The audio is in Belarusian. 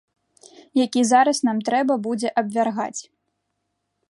Які зараз нам трэба будзе абвяргаць.